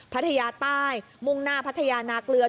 พัทยาใต้มุ่งหน้าพัทยานาเกลือ